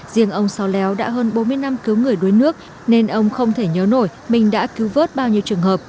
riêng ông sao léo đã hơn bốn mươi năm cứu người đuối nước nên ông không thể nhớ nổi mình đã cứu vớt bao nhiêu trường hợp